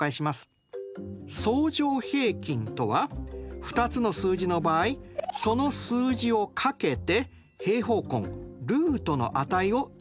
相乗平均とは２つの数字の場合その数字をかけて平方根ルートの値を取ったものです。